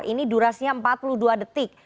ini durasinya empat puluh dua detik